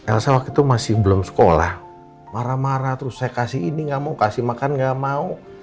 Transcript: elsa waktu itu masih belum sekolah marah marah terus saya kasih ini gak mau kasih makan gak mau